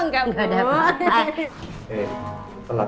gak ada apa apa